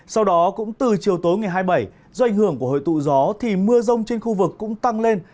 sau đó cũng từ chiều tối ngày hai mươi bảy do ảnh hưởng của hội tụ gió thì mưa rông trên khu vực cũng tăng lên